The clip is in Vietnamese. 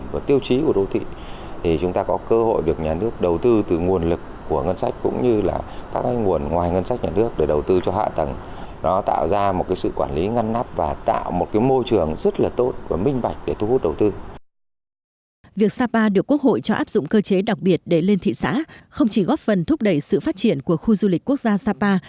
việc sapa được quốc hội cho áp dụng cơ chế đặc biệt để lên thị xã không chỉ góp phần thúc đẩy sự phát triển của khu du lịch quốc gia sapa